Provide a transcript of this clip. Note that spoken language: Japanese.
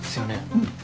うん。